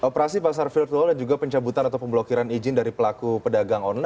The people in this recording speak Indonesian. operasi pasar virtual dan juga pencabutan atau pemblokiran izin dari pelaku pedagang